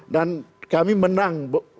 dan kami menang